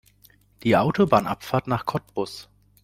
Die Autobahnabfahrt nach Cottbus